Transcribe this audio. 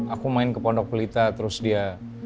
aku main ke pondok pelita terus dia